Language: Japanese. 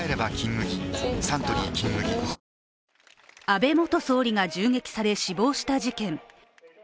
安倍元総理が銃撃され死亡した事件。